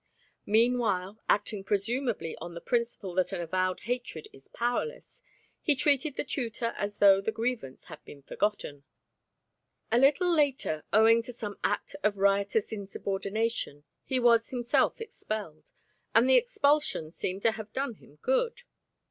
Meanwhile, acting presumably on the principle that an avowed hatred is powerless, he treated the tutor as though the grievance had been forgotten. A little later, owing to some act of riotous insubordination, he was himself expelled, and the expulsion seemed to have done him good.